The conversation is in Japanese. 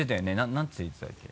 何て言ってたっけ。